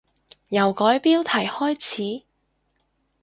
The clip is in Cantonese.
由改標題開始？